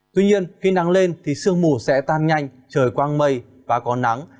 tuy nhiên khi nắng lên thì sương mù sẽ tan nhanh trời quang mây và có nắng